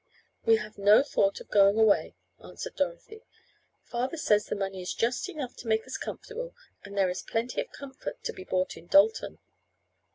"We have no thought of going away," answered Dorothy. "Father says the money is just enough to make us comfortable and there is plenty of comfort to be bought in Dalton."